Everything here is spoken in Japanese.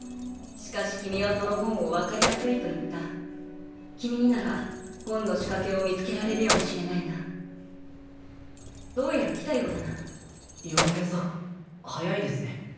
しかし君はその本を分かりやすいと言った君になら本の仕掛けを見つけられるやもしれないなどうやら来たようだな傭兵さん早いですね